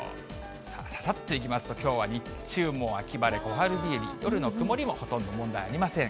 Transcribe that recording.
さあ、ささっといきますと、きょうは日中もう、秋晴れ、小春日和、夜の曇りもほとんど問題ありません。